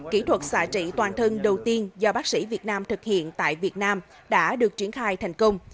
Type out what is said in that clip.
kỹ thuật xả trị toàn thân đầu tiên do bác sĩ việt nam thực hiện tại việt nam đã được triển khai thành công